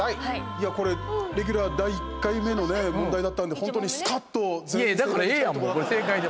いや、これレギュラー第１回目の問題だったので本当にスカッと全員正解で。